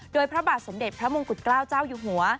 โดยพระบาทสมเด็จพระมงกุฎเกล้าเจ้าอยู่หัว